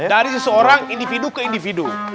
dari seseorang individu ke individu